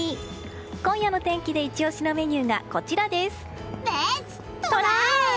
今夜の天気でイチ押しのメニューがこちらです。